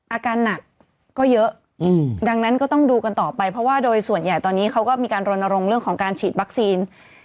อาการหนักก็เยอะดังนั้นก็ต้องดูกันต่อไปเพราะว่าโดยส่วนใหญ่ตอนนี้เขาก็มีการรณรงค์เรื่องของการฉีดวัคซีน